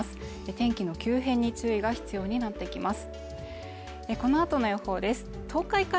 天気の急変に注意が必要になってきます。